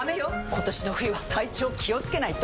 今年の冬は体調気をつけないと！